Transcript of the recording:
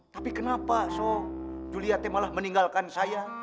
tapi kenapa sob julia malah meninggalkan saya